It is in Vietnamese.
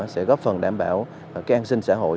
sẽ góp phần đảm bảo an sinh xã hội